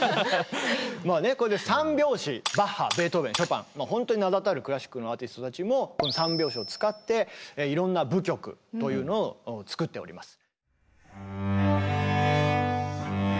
まあねこうやって３拍子バッハベートーベンショパンほんとに名だたるクラシックのアーティストたちもこの３拍子を使っていろんな舞曲というのを作っております。